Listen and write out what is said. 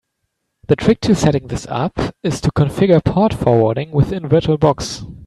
The trick to setting this up is to configure port forwarding within Virtual Box.